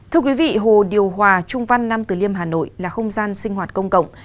thưa quý vị hồ điều hòa trung văn nam từ liêm hà nội là không gian sinh hoạt công cộng